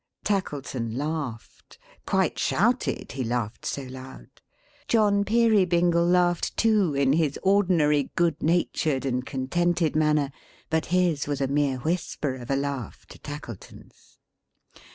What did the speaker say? Tackleton laughed quite shouted, he laughed so loud. John Peerybingle laughed too, in his ordinary good natured and contented manner; but his was a mere whisper of a laugh, to Tackleton's.